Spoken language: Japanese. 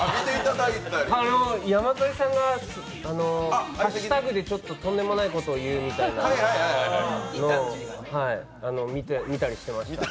山添さんがとんでもないことを言うみたいなことを見たりしてました。